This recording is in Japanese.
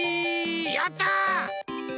やった！